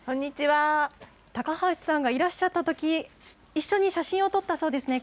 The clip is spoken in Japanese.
高橋さんがいらっしゃったとき、一緒に写真を撮ったそうですね。